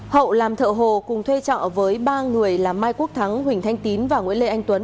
hậu làm thợ hồ cùng thuê trọ với ba người là mai quốc thắng huỳnh thanh tín và nguyễn lê anh tuấn